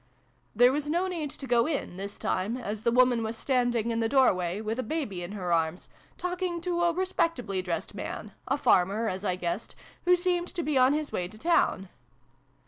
There was no need to go in, this time, as the woman was standing in the doorway, with a baby in her arms, talking to a respectably dressed man a farmer, as I guessed who seemed to be on his way to the town.